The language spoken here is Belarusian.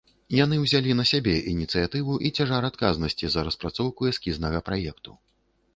Яны і ўзялі на сябе ініцыятыву і цяжар адказнасці за распрацоўку эскізнага праекту.